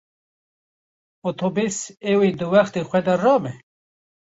Otobus ew ê di wextê xwe de rabe?